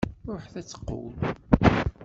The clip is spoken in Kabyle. Ruḥet ad tqewwdem!